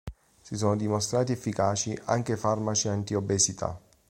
Si sono dimostrati efficaci anche farmaci anti-obesità.